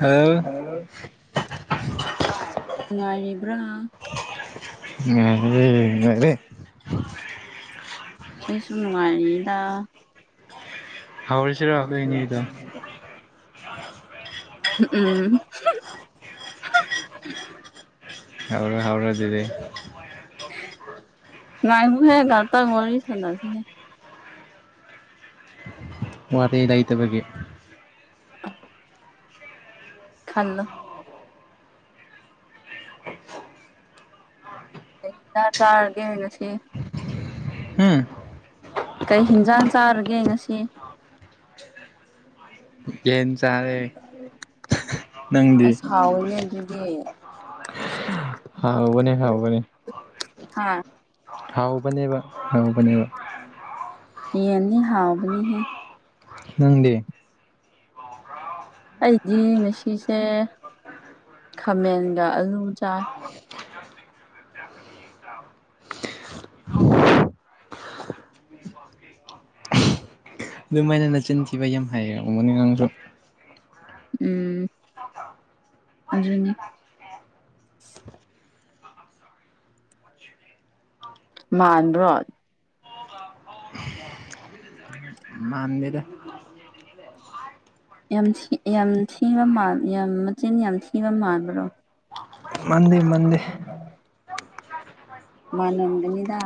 hello ꯅꯨꯡꯉꯥꯏꯔꯤꯕ꯭ꯔꯥ ꯉ ꯉꯦ ꯑꯩꯁꯨ ꯅꯨꯡꯉꯥꯏꯔꯤꯗ ꯍꯧꯥꯎꯁꯤꯔꯑꯈ ꯏꯅꯦꯗꯣ ꯎꯝ ꯎꯝ ꯍꯔ ꯍꯔ ꯑꯗꯨꯔꯤ ꯉꯥꯏꯕꯨ ꯍꯦ ꯉꯥ ꯇꯔ ꯃꯔꯤ ꯁꯥꯟꯁꯤꯦ ꯋꯥꯇ ꯂꯩꯇꯕꯒꯤ ꯈꯜ ꯇ ꯇꯥꯔꯒ ꯉꯁꯤ ꯎꯝ ꯀꯩ ꯍꯤꯟꯖꯥꯡ ꯆꯥꯔꯒꯦ ꯉꯁꯤ ꯌꯦꯟ ꯆꯥꯔꯦ ꯅꯪꯗꯤ ꯍꯥꯎꯏꯅꯦ ꯑꯗꯨꯗꯤ ꯍꯥꯎꯕꯅꯦ ꯍꯥꯎꯕꯅꯦ ꯍꯥ ꯍꯥꯎꯕꯅꯦꯕ ꯍꯥꯎꯕꯅꯦꯕ ꯌꯦꯟꯅꯤ ꯍꯥꯎꯕꯅꯤꯍꯦ ꯎꯪꯗꯦ ꯑꯩꯗꯤ ꯉꯁꯤꯁꯦ ꯈꯥꯃꯦꯟꯒ ꯑꯂꯨ ꯆꯥꯏ [inaudible] ꯌꯥ ꯑꯗꯨꯃꯥꯏꯅ ꯅꯆꯤꯟꯈꯤꯕ ꯌꯥꯝ ꯍꯩꯔꯝꯒꯅꯤ ꯅꯪꯁꯨ ꯎꯝ ꯑꯗꯨꯅꯤ ꯃꯥꯟꯕꯔꯣ ꯃꯟꯗꯦꯗ ꯌꯥꯝ ꯌꯥꯝ ꯊꯤꯕ ꯌꯥꯝ ꯃꯆꯤꯟ ꯌꯥꯝ ꯊꯤꯕ ꯃꯥꯟꯕ꯭ꯔꯣ ꯃꯗꯦ ꯃꯗꯦ ꯃꯥꯂꯝꯒꯅꯤꯗ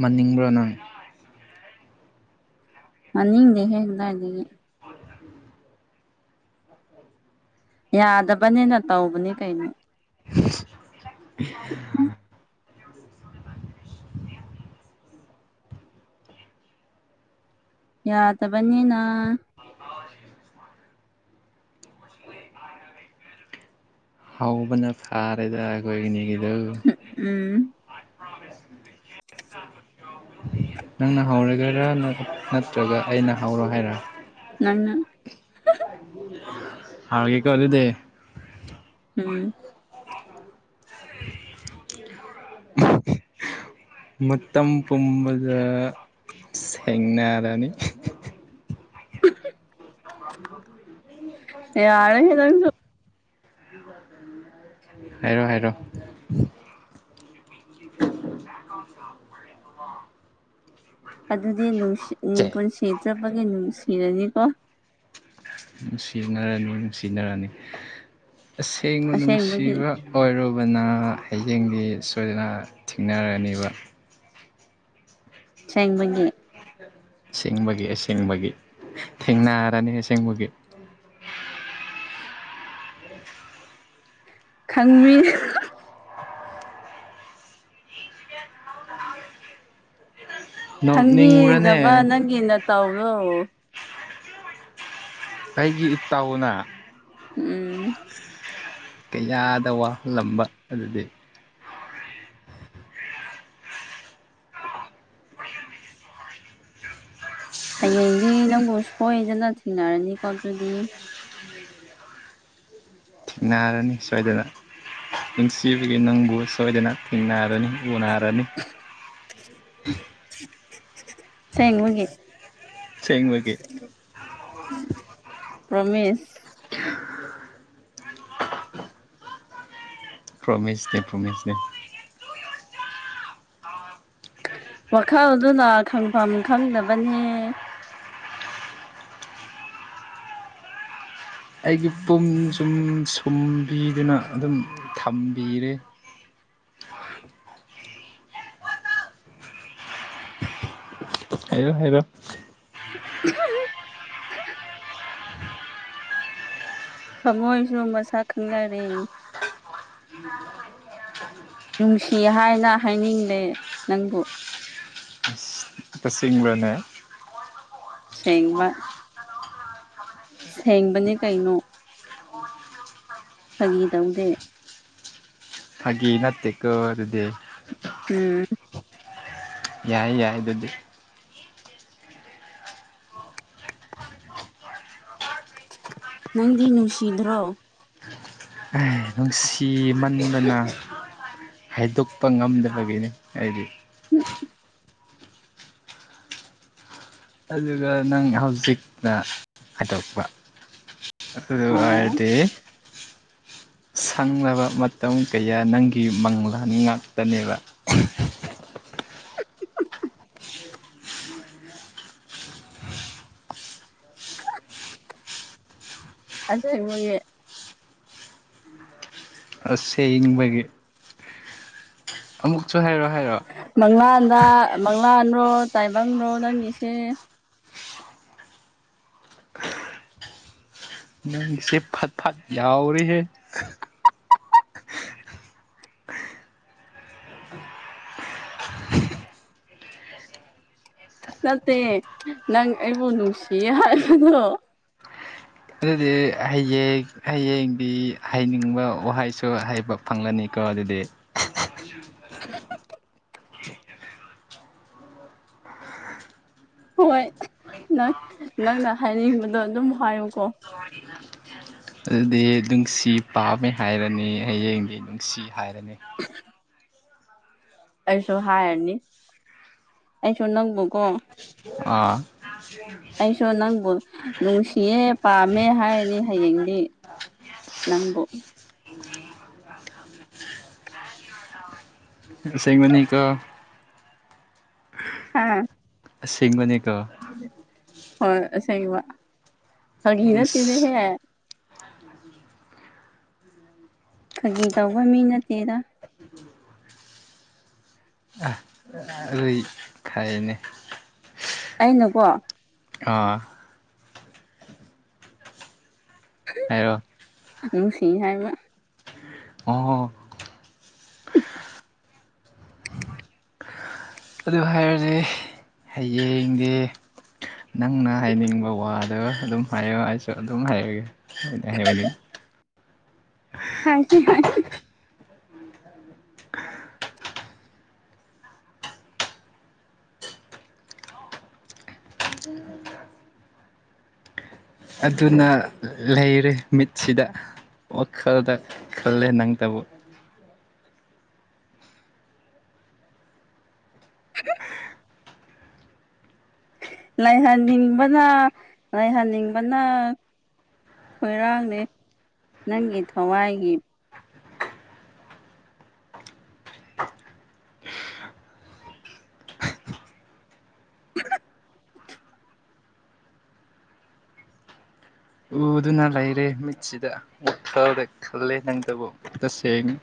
ꯃꯅꯤꯡꯕ꯭ꯔꯣ ꯅꯪ ꯃꯅꯤꯡꯗꯦ ꯍꯦ ꯀꯗꯥꯢꯗꯒꯤ ꯌꯥꯗꯕꯅꯤꯅ ꯇꯧꯕꯅꯤ ꯀꯩꯅꯣ [unintelligible] [inaudible] ꯌꯥꯗꯕꯅꯤꯅ ꯍꯧꯕꯅ ꯐꯥꯔꯦꯗ ꯑꯩꯈꯣꯏꯑꯅꯤꯒꯤꯗꯨ ꯎꯝ ꯅꯪꯅ ꯍꯧꯔꯒꯔꯥ ꯅꯠꯇ꯭ꯔꯒ ꯑꯩꯅ ꯍꯧꯔꯣ ꯍꯥꯏꯔ ꯅꯪꯅ [inaudible] ꯍꯔꯒꯦꯀꯣ ꯑꯗꯨꯗꯤ ꯎꯝ ꯃꯇꯝ ꯄꯨꯝꯕꯗ ꯁꯦꯡꯅꯔꯅꯤ ꯌꯥꯔꯦ ꯍꯦ ꯅꯪꯁꯨ [inaudible] ꯍꯥꯏꯔꯣ ꯍꯥꯏꯔꯣ ꯑꯗꯨꯗꯤ ꯅꯨꯡꯁꯤ ꯆꯦ ꯄꯨꯟꯁꯤ ꯆꯨꯞꯕꯒꯤ ꯅꯨꯡꯁꯤꯔꯅꯤꯀꯣ ꯅꯨꯡꯁꯤꯅꯔꯅꯤ ꯅꯨꯡꯁꯤꯅꯔꯅꯤ ꯑꯁꯦꯡꯕ ꯑꯁꯦꯡꯕꯒꯤ ꯅꯨꯡꯁꯤꯕ ꯑꯣꯏꯔꯣ ꯑꯗꯨꯅ ꯍꯌꯦꯡꯗꯤ ꯁꯣꯏꯗꯅ ꯊꯦꯡꯅꯔꯅꯦꯕ ꯁꯦꯡꯕꯒꯤ ꯁꯦꯡꯕꯒꯤ ꯑꯁꯦꯡꯕꯒꯤ ꯊꯦꯡꯅꯔꯅꯤ ꯑꯁꯦꯡꯕꯒꯤ ꯈꯪꯃꯤ ꯅꯣꯛꯅꯤꯡꯕ꯭ꯔꯅꯦ ꯈꯪꯕꯤꯗꯕ ꯅꯪꯒꯤ ꯅꯇꯧꯗꯣ ꯑꯩꯒꯤ ꯏꯇꯥꯎꯅ ꯎꯝ ꯀꯌꯥꯗ ꯋꯥꯍꯜꯂꯝꯕ ꯑꯗꯨꯗꯤ ꯍꯌꯦꯡꯗꯤ ꯅꯪꯕꯨ ꯁꯣꯏꯗꯅ ꯊꯦꯡꯅꯔꯅꯤꯀꯣ ꯑꯗꯨꯗꯤ ꯊꯦꯡꯅꯔꯅꯤ ꯁꯣꯏꯗꯅ ꯅꯨꯡꯁꯤꯕꯤ ꯅꯪꯕꯨ ꯁꯣꯏꯗꯅ ꯊꯦꯡꯅꯔꯅꯤ ꯎꯅꯔꯅꯤ ꯑꯁꯦꯡꯕꯒꯤ ꯑꯁꯦꯡꯕꯒꯤ ꯄꯔꯣꯃꯤꯁ ꯄ꯭ꯔꯣꯃꯤꯁꯅꯦ ꯄ꯭ꯔꯣꯃꯤꯁꯅꯦ ꯋꯥꯈꯜꯗꯨꯅ ꯈꯪꯐꯝ ꯈꯪꯗꯕꯅꯦ ꯑꯩꯒꯤ ꯄꯨꯝ ꯁꯨꯝ ꯁꯨꯝꯕꯤꯗꯨꯅ ꯑꯗꯨꯝ ꯊꯝꯕꯤꯔꯦ ꯍꯥꯏꯔꯣ ꯍꯥꯏꯔꯣ ꯊꯃꯣꯏꯁꯨ ꯃꯁꯛ ꯈꯪꯅꯔꯦ ꯅꯨꯡꯁꯤ ꯍꯥꯏꯅ ꯍꯥꯏꯅꯤꯡꯂꯦ ꯅꯪꯕꯨ ꯑꯁꯦꯡꯕꯔꯅꯦ ꯁꯦꯡꯕ ꯁꯦꯡꯕꯅꯦ ꯀꯩꯅꯣ ꯐꯥꯒꯤ ꯇꯧꯗꯦ ꯐꯥꯒꯤ ꯅꯥꯠꯇꯦꯀꯣ ꯑꯗꯨꯗꯤ ꯎꯝ ꯌꯥꯏ ꯌꯥꯏ ꯑꯗꯨꯗꯤ ꯅꯪꯗꯤ ꯅꯨꯡꯁꯤꯗ꯭ꯔꯣ ꯑꯥꯏ ꯅꯨꯡꯁꯤꯃꯟꯕꯅ ꯍꯥꯏꯗꯣꯛꯄ ꯉꯝꯗꯕꯒꯤꯅꯤ ꯑꯩꯗꯤ ꯑꯗꯨꯒ ꯅꯪ ꯍꯧꯖꯤꯛꯅ ꯍꯥꯏꯗꯣꯛꯄ ꯑꯗꯨꯗꯨ ꯑꯣ ꯑꯣꯏꯔꯗꯤ ꯁꯪꯂꯕ ꯃꯇꯝ ꯀꯌꯥ ꯅꯪꯒꯤ ꯃꯪꯂꯥꯟ ꯉꯥꯛꯇꯅꯦꯕ ꯑꯁꯦꯡꯕꯒꯤ ꯑꯁꯦꯡꯕꯒꯤ ꯑꯃꯨꯛꯁꯨ ꯍꯥꯏꯔꯣ ꯍꯥꯏꯔꯣ ꯃꯪꯂꯥꯟꯗ ꯃꯪꯂꯥꯟꯔꯣ ꯇꯥꯏꯕꯪꯔꯣ ꯅꯪꯒꯤꯁꯦ ꯅꯪꯁꯦ ꯐꯠ ꯐꯠ ꯌꯥꯎꯔꯤꯍꯦ ꯅꯠꯇꯦ ꯅꯪ ꯑꯩꯕꯨ ꯅꯨꯡꯁꯤꯌꯦ ꯍꯥꯏꯕꯗꯣ ꯑꯗꯨꯗꯤ ꯍꯡ ꯍꯌꯦꯡꯗꯤ ꯍꯩꯅꯤꯡꯕ ꯋꯥꯍꯩꯁꯨ ꯍꯩꯕ ꯐꯪꯂꯪꯂꯅꯤꯀꯣ ꯑꯗꯨꯗꯤ [inaudible] ꯍꯣꯏ ꯅꯪ ꯅꯪꯅ ꯍꯥꯏꯅꯤꯡꯕꯗꯣ ꯑꯗꯨꯝ ꯍꯥꯏꯌꯨꯀꯣ [inaudible] ꯑꯗꯨꯗꯤ ꯅꯨꯡꯁꯤ ꯄꯥꯝꯃꯦ ꯍꯥꯏꯔꯅꯤ ꯍꯌꯦꯡꯗꯤ ꯅꯨꯡꯁꯤ ꯍꯥꯏꯔꯅꯤ [inaudible] ꯑꯩꯁꯨ ꯍꯥꯏꯔꯅꯤ ꯑꯩꯁꯨ ꯅꯪꯕꯨꯀꯣ ꯑꯥ ꯑꯩꯁꯨ ꯅꯪꯕꯨ ꯅꯨꯡꯁꯤꯌꯦ ꯄꯥꯝꯃꯦ ꯍꯥꯏꯔꯅꯤ ꯍꯌꯦꯡꯗꯤ ꯅꯪꯕꯨ [inaudible] ꯁꯦꯡꯃꯅꯤ ꯀ ꯑꯥ ꯁꯤꯦꯡꯒꯅꯤ ꯀ ꯍꯣꯏ ꯑꯁꯦꯡꯕ ꯐꯒꯤ ꯅꯠꯇꯦꯅꯦ ꯍꯦ ꯎ ꯎꯝ ꯈꯥꯒꯤ ꯇꯧꯕ ꯃꯤ ꯅꯠꯇꯦꯗ ꯑ ꯑ ꯈꯥꯏꯩꯅ ꯑꯩꯅꯀꯣ ꯑꯥ ꯍꯥꯏꯔꯣ ꯅꯨꯡꯁꯤꯡ ꯍꯥꯏꯕ ꯑꯣꯣ [inaudible] ꯑꯗꯨ ꯍꯥꯏꯔꯁ ꯍꯌꯦꯡꯗꯤ ꯅꯪꯅ ꯍꯥꯏꯅꯤꯡꯕ ꯋꯥꯗꯣ ꯑꯗꯨꯝ ꯍꯥꯏꯌꯣ ꯍꯥꯏꯁꯨ ꯑꯗꯨꯝ ꯍꯥꯏꯔꯒꯦ ꯑꯩꯅ ꯍꯥꯏꯍꯅꯤꯡꯉꯤ ꯍꯥꯏꯁꯤ ꯍꯥꯏ ꯑꯗꯨꯅ ꯂꯩꯔꯦ ꯃꯤꯠꯁꯤꯗ ꯑꯣ ꯈꯜꯗ ꯈꯜꯂꯦ ꯅꯪ ꯇꯕꯣ ꯑꯗꯣ ꯂꯩꯥꯏꯍꯟꯅꯤꯡꯕꯅ ꯂꯩꯥꯏꯍꯟꯅꯤꯡꯕꯅ ꯈꯣꯏꯔꯥꯡꯅꯤ ꯅꯪꯒꯤ ꯊꯋꯥꯏꯒꯤ ꯑꯗꯨ ꯎꯗꯨꯅ ꯂꯩꯔꯦ ꯃꯤꯠꯁꯤꯗ ꯎ ꯐꯥꯎꯗ ꯈꯜꯂꯦ ꯅꯪꯇꯕꯨ ꯇꯁꯦꯡꯅ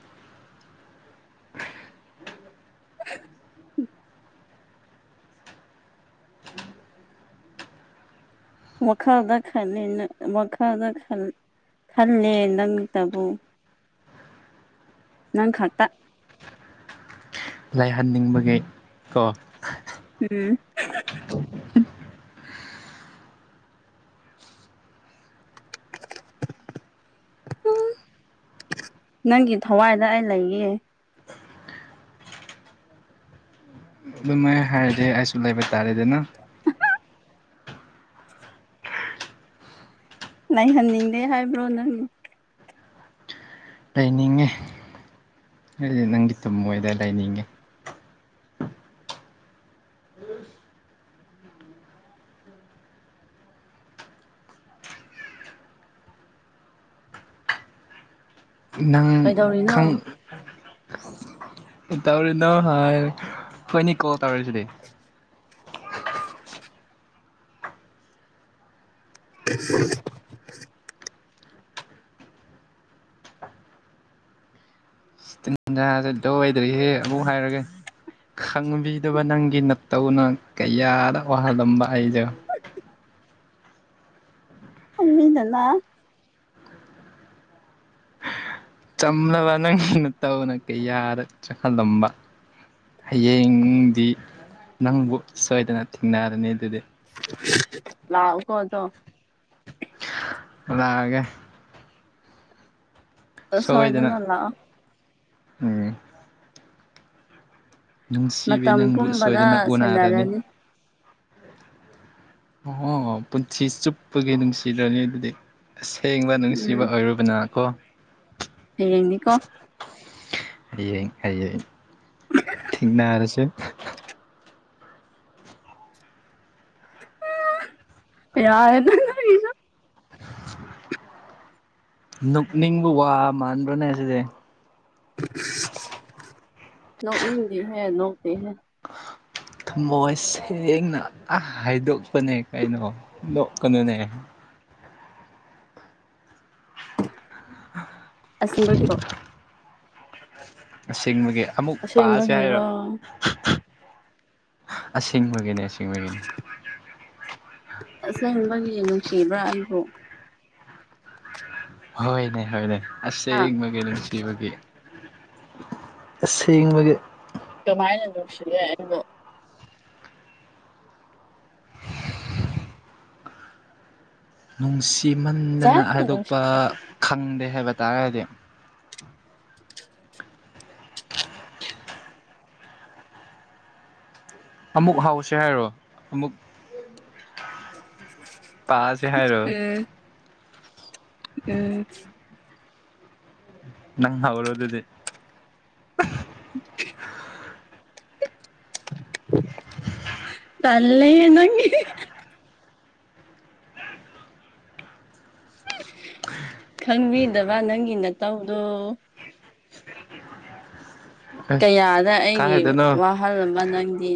[inaudible] ꯃꯈꯥꯜꯗ ꯃꯈꯥꯜꯗ ꯈꯜꯂꯦ ꯅꯪꯇꯕꯨ ꯅꯪ ꯈꯛꯇ ꯂꯥꯏꯍꯟꯅꯤꯡꯕꯒꯤ ꯀꯣ ꯎꯝ ꯎ ꯅꯪꯒꯤ ꯊꯋꯥꯏꯗ ꯑꯩ ꯂꯩꯌꯦ ꯑꯗꯨꯃꯥꯏ ꯍꯥꯏꯔꯗꯤ ꯑꯩꯁꯨ ꯂꯩꯕ ꯇꯥꯔꯦꯗꯅ ꯂꯩꯍꯟꯅꯤꯡꯗꯦ ꯍꯥꯏꯕ꯭ꯔꯣ ꯅꯪ ꯂꯩꯅꯤꯡꯉꯦ ꯑꯩꯗꯤ ꯅꯪꯒꯤ ꯊꯃꯣꯏꯗ ꯂꯩꯅꯤꯡꯉꯦ ꯅꯪ ꯀꯩꯗꯧꯔꯤꯅꯣ ꯈꯪ ꯇꯧꯔꯤꯅꯣ ꯍꯥꯏ ꯑꯩꯈꯣꯢꯅꯛ ꯒꯣꯜ ꯇꯧꯔꯤꯁꯤꯗꯤ [unintelligible] [inaudible] [inaudible] ꯂꯣꯏꯗ꯭ꯔꯤꯍꯦ ꯑꯃꯨꯛ ꯍꯥꯏꯔꯒꯦ ꯈꯪꯕꯤꯗꯕ ꯅꯪꯒꯤ ꯅꯠꯇꯧꯅ ꯀꯌꯥꯗ ꯋꯥꯍꯜꯂꯝꯕ ꯑꯩꯁꯦ [unintelligible] [inaudible] ꯆꯝꯂꯕ ꯅꯪ ꯅꯠꯇꯧꯅ ꯀꯩꯌꯥꯗ ꯆꯥꯛꯍꯜꯂꯝꯕ ꯍꯌꯦꯡꯗꯤ ꯅꯪꯕꯨ ꯁꯣꯏꯗꯅ ꯊꯦꯡꯅꯔꯅꯤ ꯑꯗꯨꯗꯤ ꯂꯥꯛꯑꯣ ꯀꯣ ꯑꯗꯣ ꯂꯥꯛꯑꯒꯦ ꯁꯣꯏꯗꯅ ꯎꯝ ꯅꯨꯡꯁꯤꯕꯤ ꯃꯇꯝ ꯅꯪꯕꯨ ꯄꯨꯝꯕꯗ ꯁꯣꯏꯗꯅ ꯎꯅꯔꯅꯤ ꯁꯦꯟꯅꯔꯅꯤ ꯑꯣ ꯄꯨꯟꯁꯤ ꯆꯨꯞꯄꯒꯤ ꯅꯨꯡꯁꯤꯔꯅꯤ ꯑꯗꯨꯗꯤ ꯑꯁꯦꯡꯕ ꯅꯨꯡꯁꯤꯕ ꯎꯝ ꯑꯣꯏꯔꯨꯕꯅ ꯀꯣ ꯍꯌꯦꯡꯅꯤꯀꯣ ꯍꯌꯦꯡ ꯍꯌꯦꯡ ꯊꯦꯅꯔꯁꯦ ꯌꯥꯔꯦꯗ ꯅꯪ ꯅꯣꯛꯅꯤꯡꯕ ꯋꯥ ꯃꯥꯟꯕ꯭ꯔꯅꯦ ꯁꯤꯗꯤ ꯅꯣꯛ ꯅꯤꯡꯗꯤ ꯍꯦ ꯅꯣꯛꯇꯦ ꯍꯦ ꯊꯃꯣꯏ ꯁꯦꯡꯅ ꯍꯥꯏꯗꯣꯛꯄꯅꯦ ꯀꯩꯅꯣ ꯅꯣꯛꯀꯅꯨꯅꯦ ꯑꯁꯤꯡꯕ ꯀꯤꯔꯣ ꯑꯁꯦꯡꯕꯒꯤ ꯑꯃꯨꯛ ꯄꯥꯁꯦ ꯍꯥꯏꯔꯣ ꯑꯁꯦꯡꯕꯒꯤꯔꯣ ꯑꯁꯦꯡꯕꯒꯤꯅꯤ ꯑꯁꯦꯡꯕꯒꯤꯅꯤ ꯑꯁꯦꯡꯕꯒꯤ ꯅꯨꯡꯁꯤꯕ꯭ꯔꯥ ꯑꯩꯕꯨ ꯍꯣꯏꯅꯦ ꯍꯣꯏꯅꯦ ꯍꯥ ꯑꯁꯦꯡꯕꯒꯤ ꯅꯨꯡꯁꯤ ꯕꯒꯤ ꯑꯁꯦꯡꯕꯒꯤ ꯀꯃꯥꯏꯅ ꯅꯨꯡꯁꯤꯒꯦ ꯑꯩꯕꯨ ꯅꯨꯡꯁꯤꯃꯟꯗꯅ ꯐꯖꯅ ꯅꯨꯡꯁꯤ ꯍꯥꯏꯗꯣꯛꯄ ꯈꯪꯗꯦ ꯍꯥꯏꯕ ꯇꯥꯔꯒꯗꯤ ꯑꯃꯨꯛ ꯍꯥꯎꯁꯦ ꯍꯥꯏꯔꯣ ꯑꯃꯨꯛ ꯄꯥꯁ ꯎꯝ ꯎꯝ ꯅꯪ ꯍꯧꯔꯣ ꯗꯨꯗꯤ [unintelligible] ꯇꯜꯂꯦ ꯅꯪꯒꯤ ꯈꯪꯕꯤꯗꯕ ꯅꯪꯒꯤ ꯅꯇꯧꯗꯣ ꯑꯁ ꯀꯌꯥꯗ ꯑꯩꯒꯤ ꯀꯥꯏꯗꯅꯣ ꯋꯥꯍꯜꯕ ꯅꯪꯗꯤ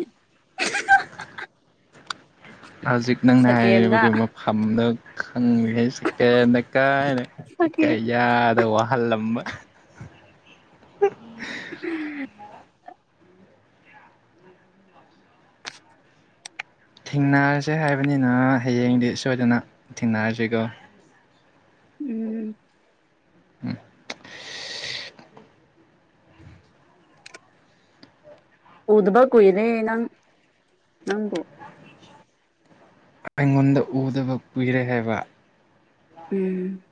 ꯍꯧꯖꯤꯛ ꯅꯪꯅ ꯁꯦꯀꯦꯟꯗ ꯍꯥꯏꯔꯤꯕꯒꯤ ꯃꯐꯝꯗꯣ ꯈꯪꯉꯦ ꯍꯥꯏꯁ [inaudible] ꯀꯗ ꯀꯥꯏꯅ ꯁꯦꯀꯦꯟ ꯀꯌꯥꯗ ꯋꯥꯍꯜꯂꯝꯕ [unintelligible] [unintelligible] ꯊꯦꯡꯅꯔꯁꯦ ꯍꯥꯏꯕꯅꯤꯅ ꯍꯌꯦꯡꯗꯤ ꯁꯣꯏꯗꯅ ꯊꯦꯡꯅꯔꯁꯤꯀꯣ ꯎꯝ [unintelligible] ꯎꯗꯕ ꯀꯨꯏꯔꯦ ꯅꯪ ꯅꯪꯕꯨ ꯑꯩꯉꯣꯟꯗ ꯎꯗꯕ ꯀꯨꯏꯔꯦ ꯍꯥꯏꯕ ꯎꯝ